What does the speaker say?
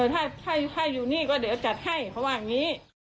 ถ้าอยู่นี่ก็เดี๋ยวจัดให้เขาว่าอย่างนี้